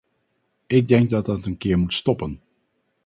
Ik denk dat dat een keer moet stoppen.